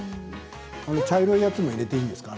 茶色いやつも入れていいんですか。